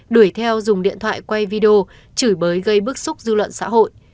đuổi theo dùng điện thoại quay video chửi bới gây bức xúc dư luận xã hội